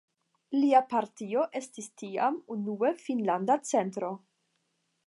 Lia partio estis tiam unue Finnlanda Centro.